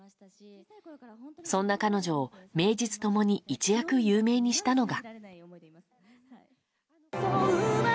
そんな彼女を名実共に一躍有名にしたのが。